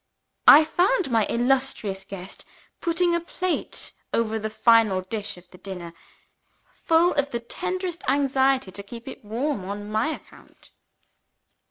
I found my illustrious guest putting a plate over the final dish of the dinner, full of the tenderest anxiety to keep it warm on my account.